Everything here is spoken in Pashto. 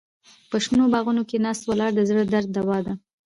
په شنو باغونو کې ناسته ولاړه د زړه درد دوا ده.